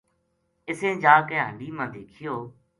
اِسیں جا کے ہنڈی ما دیکھیو